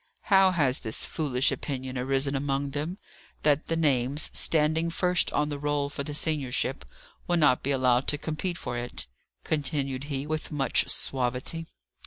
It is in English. "How has this foolish opinion arisen among them, that the names, standing first on the roll for the seniorship, will not be allowed to compete for it?" continued he, with much suavity.